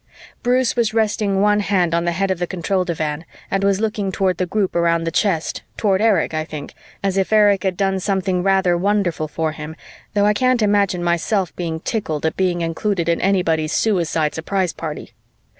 Bruce was resting one hand on the head of the control divan and was looking toward the group around the chest, toward Erich, I think, as if Erich had done something rather wonderful for him, though I can't imagine myself being tickled at being included in anybody's suicide surprise party.